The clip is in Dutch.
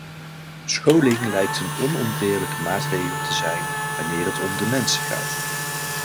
Scholing lijkt een onontbeerlijke maatregel te zijn wanneer het om de mensen gaat.